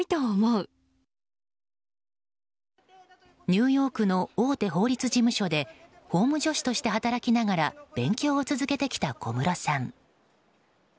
ニューヨークの大手法律事務所で法務助手として働きながら勉強を続けてきた小室さん。